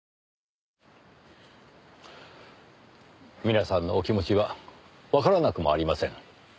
皆さんのお気持ちはわからなくもありません。